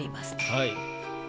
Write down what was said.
はい。